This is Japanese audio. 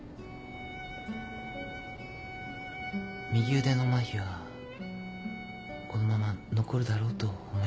右腕のマヒはこのまま残るだろうと思います。